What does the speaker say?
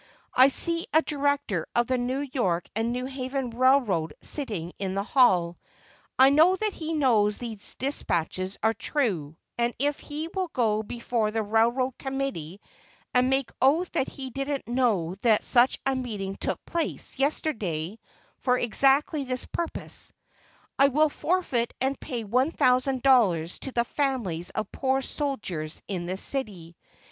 I see a director of the New York and New Haven Railroad sitting in this hall; I know that he knows these despatches are true; and if he will go before the railroad committee and make oath that he don't know that such a meeting took place yesterday for exactly this purpose, I will forfeit and pay one thousand dollars to the families of poor soldiers in this city.